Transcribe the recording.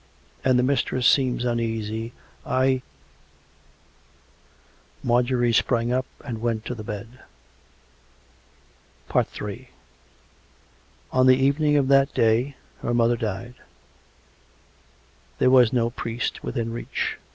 And the mistress seems un easy. I " Marjorie sprang up and went to the bed. 188 COME RACK! COME ROPE! Ill On the evening of that day her mother died. There was no priest within reach.